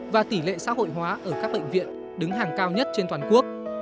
và tỷ lệ xã hội hóa ở các bệnh viện đứng hàng cao nhất trên toàn quốc